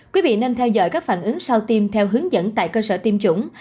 quý vị nên theo dõi các phản ứng sau tiêm theo hướng dẫn tại cơ sở tiêm chủng